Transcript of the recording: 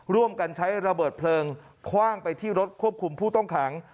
ร่วมกันใช้ระเบิดเพลิงคว่างไปที่รถควบคุมผู้ต้องขัง